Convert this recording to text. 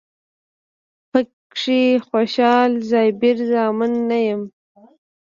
پکې خوشال، زبیر زمان نه یمه